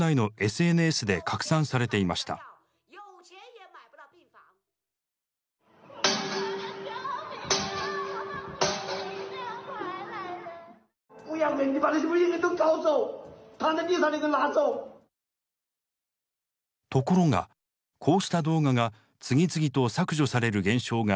ところがこうした動画が次々と削除される現象が起きていたのです。